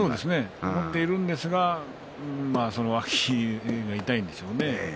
持っているんですけれども脇が痛いんでしょうね。